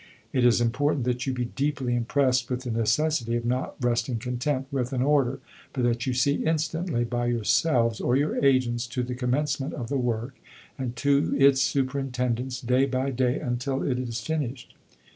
It is important that you be deeply impressed with the necessity of not resting content with an order, but that you see instantly, by yourselves or your agents, to the commencement of the work and to its superintendence day by day until it is finished."